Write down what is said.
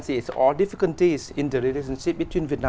và điều quan trọng nhất là